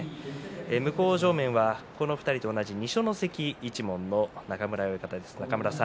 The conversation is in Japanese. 向正面はこの２人と同じ二所ノ関一門の中村親方です。